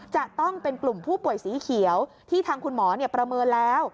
จะต้องเป็นกลุ่มผู้ป่วยสีเขียวที่ทางคุณหมอประเมินแล้ว